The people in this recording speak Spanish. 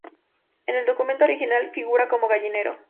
En el documento original, figura como Gallinero.